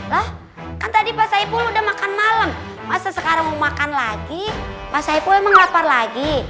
loh kan tadi pak saipul udah makan malam masa sekarang mau makan lagi mas saipu emang lapar lagi